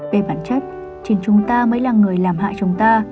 về bản chất chứ chúng ta mới là người làm hại chúng ta